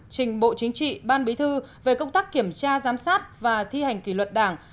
trình bộ chính trị ban bí thư về công tác kiểm tra giám sát và thi hành kỷ luật đảng